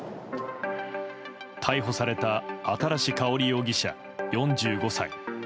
逮捕された新かほり容疑者、４５歳。